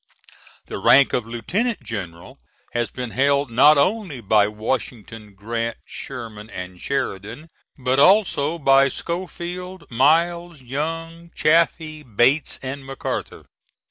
The rank of Lieutenant General has been held not only by Washington, Grant, Sherman, and Sheridan, but also by Schofield, Miles, Young, Chaffee, Bates, and MacArthur.